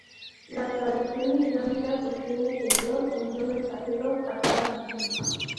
La tradición islámica sostiene que Dios envió mensajeros a cada nación.